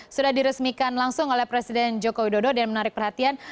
sudah diresmikan langsung oleh presiden joko widodo dan menarik perhatian